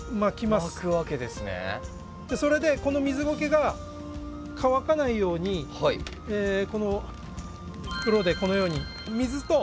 それでこの水ゴケが乾かないようにこの袋でこのように水と光を通さない。